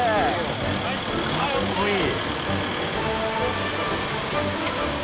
かっこいい。